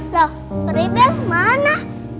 loh peribel mana